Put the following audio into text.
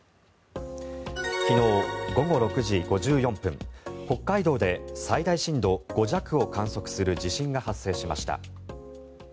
昨日午後６時５４分北海道で最大震度５弱を観測する地震が発生しました。